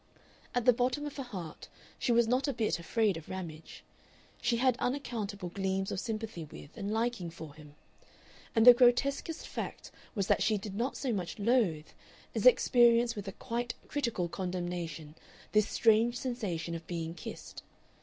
At the bottom of her heart she was not a bit afraid of Ramage. She had unaccountable gleams of sympathy with and liking for him. And the grotesquest fact was that she did not so much loathe, as experience with a quite critical condemnation this strange sensation of being kissed.